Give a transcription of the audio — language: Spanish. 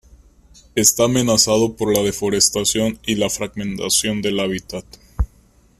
Está amenazado por la deforestación y la fragmentación del hábitat.